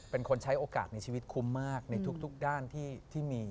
เป็นคนใช้โอกาสในชีวิตคุ้มมากในทุกด้านที่มี